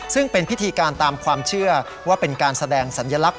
ซึ่งเป็นพิธีการตามความเชื่อว่าเป็นการแสดงสัญลักษณ